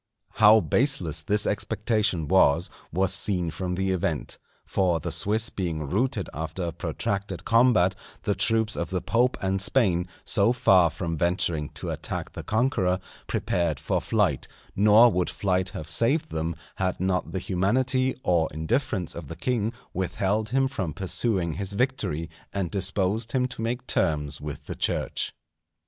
How baseless this expectation was, was seen from the event. For the Swiss being routed after a protracted combat, the troops of the Pope and Spain, so far from venturing to attack the conqueror, prepared for flight; nor would flight have saved them, had not the humanity or indifference of the king withheld him from pursuing his victory, and disposed him to make terms with the Church.